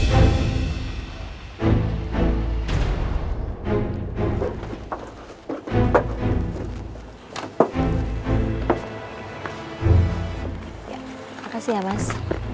terima kasih ya mas